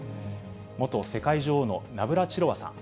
元世界女王のナブラチロワさん。